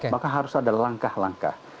maka harus ada langkah langkah